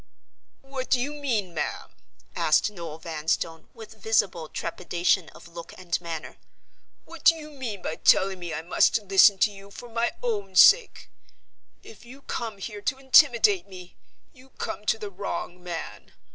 "What do you mean, ma'am?" asked Noel Vanstone, with visible trepidation of look and manner. "What do you mean by telling me I must listen to you for my own sake? If you come her to intimidate me, you come to the wrong man.